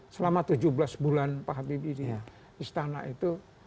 selama tujuh belas bulan pak habibie di istana itu